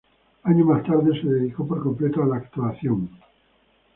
Años más tarde, se dedicó por completo a la actuación.